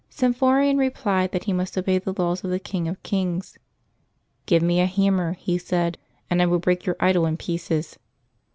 Sym phorian replied that he must obey the laws of the King of kings. " Give me a hammer," he said, " and I will break your idol in pieces.